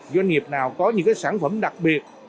doanh nghiệp nào có những sản phẩm đặc biệt